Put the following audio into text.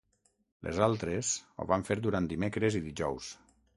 Les altres ho van fer durant dimecres i dijous.